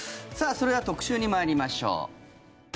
それでは特集に参りましょう。